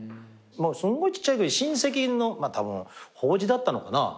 すごいちっちゃいとき親戚の法事だったのかな。